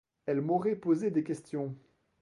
Elle m'aurait posé des questions.